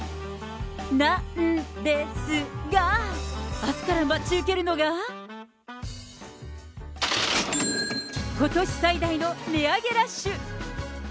なんですが、あすから待ち受けるのが、ことし最大の値上げラッシュ。